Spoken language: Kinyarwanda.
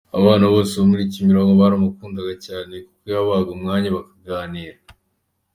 Abana bose bo muri Kimironko baramukundaga cyane, kuko yabahaga umwanya bakaganira.